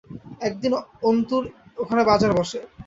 একদিন অস্তুর ওখানে বাজার বসে।